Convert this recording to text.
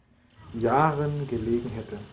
Jahren gelegen hätte.